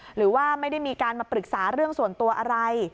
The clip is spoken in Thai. หรือว่าไม่ได้มีการมาปรึกษาเรื่องส่วนตัวอะไร